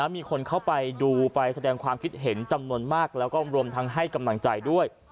มีคนเข้าไปดูไปแสดงความคิดเห็นจำนวนมากแล้วก็รวมทั้งให้กำลังใจด้วย